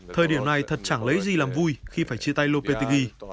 thời điểm này thật chẳng lấy gì làm vui khi phải chia tay lopetegui